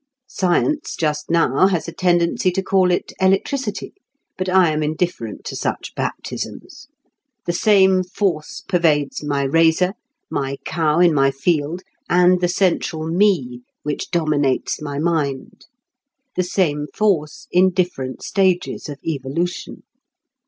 Science just now has a tendency to call it electricity; but I am indifferent to such baptisms. The same Force pervades my razor, my cow in my field, and the central me which dominates my mind: the same force in different stages of evolution.